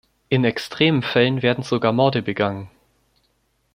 In extremen Fällen werden sogar Morde begangen.